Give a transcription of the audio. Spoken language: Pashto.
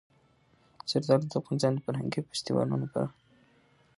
زردالو د افغانستان د فرهنګي فستیوالونو برخه ده.